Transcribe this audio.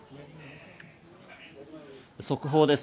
速報です。